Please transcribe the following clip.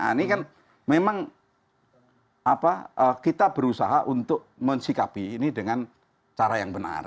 nah ini kan memang kita berusaha untuk mensikapi ini dengan cara yang benar